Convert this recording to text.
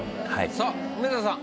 さあ梅沢さん